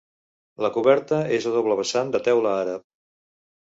La coberta és a doble vessant de teula àrab.